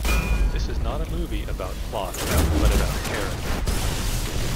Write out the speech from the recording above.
This is not a movie about plot, but about character.